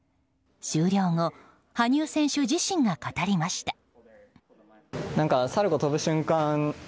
終了後羽生選手自身が語りました。